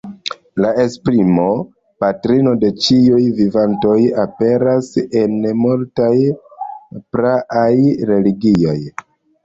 La esprimo "patrino de ĉiuj vivantoj" aperas en multaj praaj religioj.